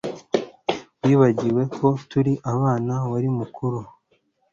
wibagiwe ko turi abana, wari mukuru